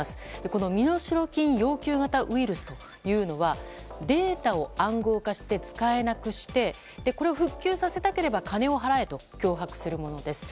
この身代金要求型ウイルスはデータを暗号化して使えなくしてこれを復旧させたければ金を払えと脅迫するものです。